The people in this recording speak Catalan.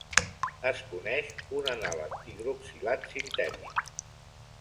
Es coneix un anàleg hidroxilat sintètic.